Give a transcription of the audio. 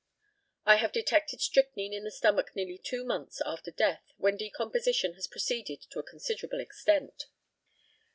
I have detected strychnine in the stomach nearly two months after death, when decomposition has proceeded to a considerable extent.